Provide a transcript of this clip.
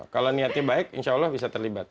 kalau niatnya baik insya allah bisa terlibat